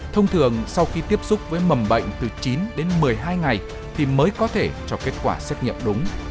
thông thường sau khi tiếp xúc với mầm bệnh từ chín đến một mươi hai ngày thì mới có thể cho kết quả xét nghiệm đúng